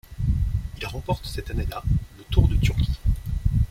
Il remporte cette année-là le Tour de Turquie.